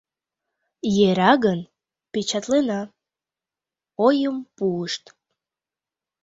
Йӧра гын, печатлена, — ойым пуышт.